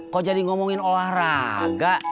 kok jadi ngomongin olahraga